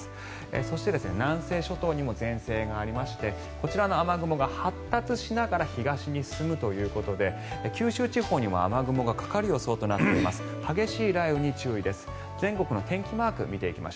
そして、南西諸島にも前線がありましてこちらの雨雲が発達しながら東に進むということで九州地方にも雨雲がかかる予想となっています。